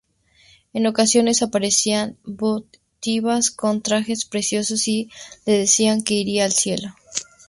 En ocasiones aparecían Bodhisattvas con trajes preciosos y le decía que iría al cielo.